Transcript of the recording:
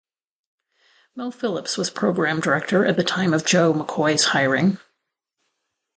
Mel Phillips was program director at the time of Joe McCoy's hiring.